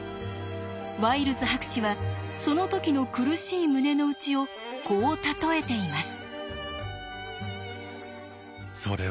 ワイルズ博士はその時の苦しい胸の内をこう例えています。